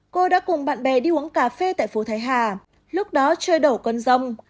cô đã cùng bạn bè đi uống cà phê tại phố thái hà lúc đó chơi đổ con rông